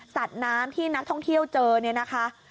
สัตว์น้ำที่นักท่องเที่ยวเจอเนี่ยนะคะ